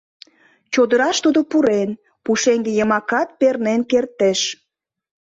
Чодыраш тудо пурен, пушеҥге йымакат пернен кертеш.